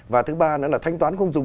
và thứ ba nữa là thanh toán không dùng